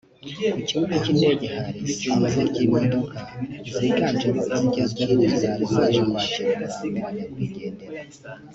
Ku kibuga cy’indege hari isinzi ry’imodoka ziganjemo izigezweho zari zaje kwakira umurambo wa nyakwigendera